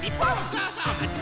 そうそう！